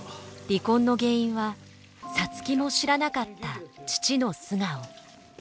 離婚の原因は皐月も知らなかった父の素顔。